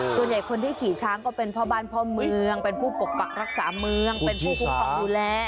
ส่วนใหญ่คนที่ขี่ช้างก็เป็นพ่อบ้านพ่อเมืองเป็นผู้ปกปักรักษาเมืองเป็นผู้คุ้มครองดูแล